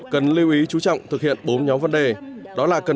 cần lưu ý chú trọng thực hiện bốn nhóm vấn đề